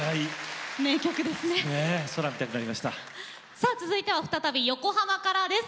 さあ続いては再び横浜からです。